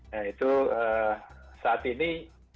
nah itu saat ini